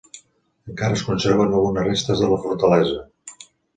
Encara es conserva algunes restes de la fortalesa.